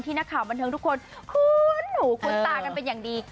นักข่าวบันเทิงทุกคนคุ้นหูคุ้นตากันเป็นอย่างดี